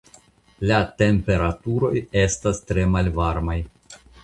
La temperaturoj estas tre malvarmaj.